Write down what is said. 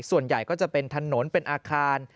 ส่วนใหญ่ก็จะเป็นถนนเป็นอาคาร